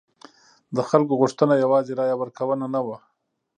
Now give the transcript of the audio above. د خلکو غوښتنه یوازې رایه ورکونه نه وه.